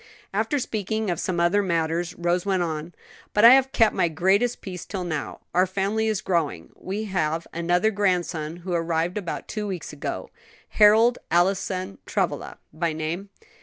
After speaking of some other matters, Rose went on: "But I have kept my greatest piece till now. Our family is growing; we have another grandson who arrived about two weeks ago; Harold Allison Travilla by name.